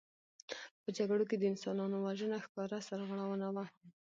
په جګړو کې د انسانانو وژنه ښکاره سرغړونه وه.